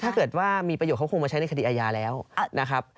ถ้าเกิดว่ามีประโยชนเขาคงมาใช้ในคดีอาญาแล้วนะครับ